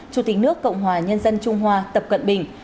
chủ tịch nước cộng hòa nhân dân trung hoa tập cận bình